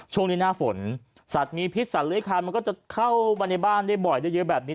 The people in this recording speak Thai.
ช่วงนี้หน้าฝนสัตว์มีพิษสัตว์เลื้อยคานมันก็จะเข้ามาในบ้านได้บ่อยได้เยอะแบบนี้